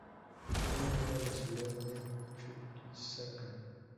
Fue enviada a la ciudad de Chuquisaca.